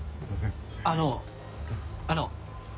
あのあの。